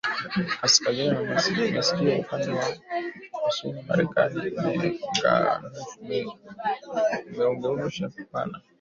kaskazini na Meksiko upande wa kusini Marekani imeunganisha upana